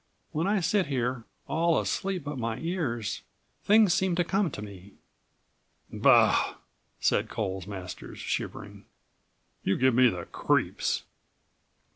When I sit here all, asleep but my ears, things seem to come to me." "Bah!" said Coles Masters, shivering, "you give me the creeps."